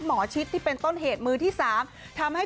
หมอชิภที่เป็นต้นเหตุมือที่๓